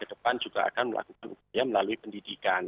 ke depan juga akan melakukan upaya melalui pendidikan